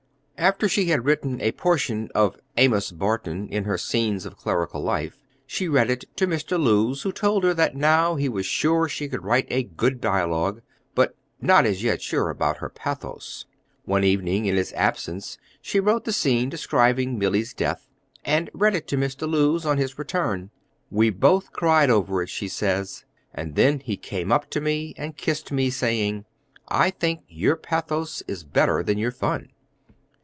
After she had written a portion of Amos Barton in her Scenes of Clerical Life, she read it to Mr. Lewes, who told her that now he was sure she could write good dialogue, but not as yet sure about her pathos. One evening, in his absence, she wrote the scene describing Milly's death, and read it to Mr. Lewes, on his return. "We both cried over it," she says, "and then he came up to me and kissed me, saying, 'I think your pathos is better than your fun!'"